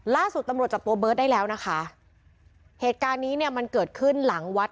ล่าสุดตำรวจจับตัวเบิร์ตได้แล้วนะคะเหตุการณ์นี้เนี่ยมันเกิดขึ้นหลังวัด